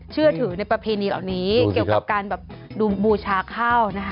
เชื่อถือในประเพณีเหล่านี้เกี่ยวกับการแบบดูบูชาข้าวนะคะ